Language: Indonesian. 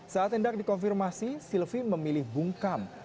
saat tindak dikonfirmasi silvi memilih bungkam